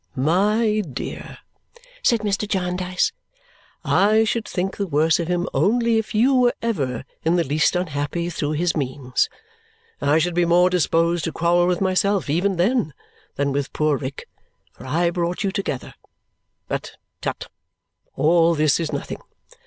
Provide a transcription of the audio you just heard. "My dear," said Mr. Jarndyce, "I should think the worse of him only if you were ever in the least unhappy through his means. I should be more disposed to quarrel with myself even then, than with poor Rick, for I brought you together. But, tut, all this is nothing!